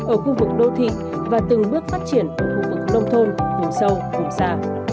ở khu vực đô thị và từng bước phát triển ở khu vực nông thôn vùng sâu vùng xa